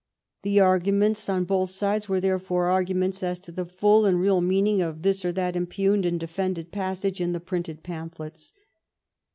The arguments on both sides were, therefore, argu ments as to the full and real meaning of this or that impugned and defended passage in the printed pam phlets.